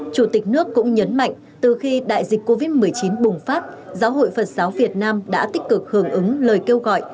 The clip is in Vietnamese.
chủ tịch nước cũng nhấn mạnh từ khi đại dịch covid một mươi chín bùng phát giáo hội phật giáo việt nam đã tích cực hưởng ứng lời kêu gọi